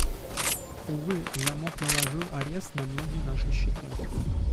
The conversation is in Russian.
Увы, Замок наложил арест на многие наши счета.